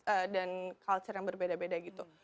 ada culture yang berbeda beda gitu